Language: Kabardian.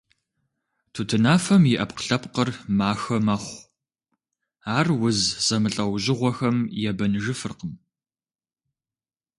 Тутынафэм и Ӏэпкълъэпкъыр махэ мэхъу, ар уз зэмылӀэужьыгъуэхэм ебэныжыфыркъым.